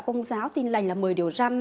tôn giáo tin lành là một mươi điều răn